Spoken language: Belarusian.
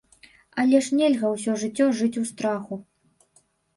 Але ж нельга ўсё жыццё жыць у страху.